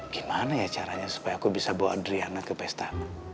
gimana ya caranya supaya aku bisa bawa driana ke pesta